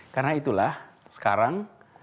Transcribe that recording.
karena itulah sekarang